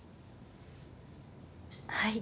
はい。